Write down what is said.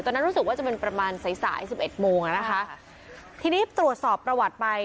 รู้สึกว่าจะเป็นประมาณสายสายสิบเอ็ดโมงอ่ะนะคะทีนี้ตรวจสอบประวัติไป